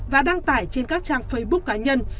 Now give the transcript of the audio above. và đăng tải trên các trang facebook cá nhân